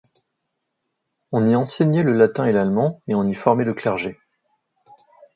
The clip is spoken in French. On y enseignait le latin et l’allemand et on y formait le clergé.